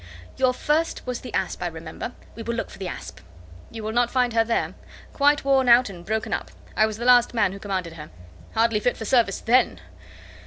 "Your first was the Asp, I remember; we will look for the Asp." "You will not find her there. Quite worn out and broken up. I was the last man who commanded her. Hardly fit for service then.